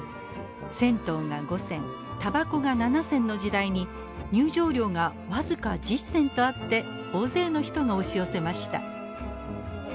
銭湯が５銭たばこが７銭の時代に入場料が僅か１０銭とあって大勢の人が押し寄せました。